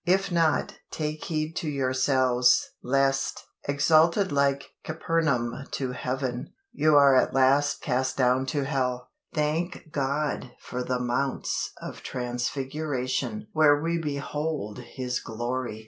If not, take heed to yourselves, lest, exalted like Capernaum to Heaven, you are at last cast down to Hell. Thank God for the mounts of transfiguration where we behold His glory!